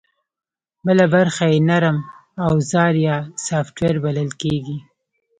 بله برخه یې نرم اوزار یا سافټویر بلل کېږي